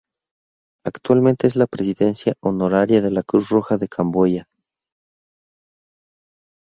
Actualmente es la Presidenta Honoraria de la Cruz Roja de Camboya.